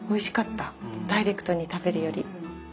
ダイレクトに食べるより。